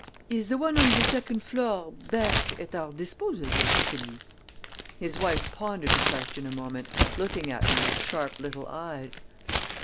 "Is the one on the second floor, back, at our disposal yet, Célie?" His wife pondered the question a moment, looking at me with sharp little eyes.